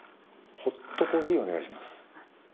ホットコーヒーお願いします。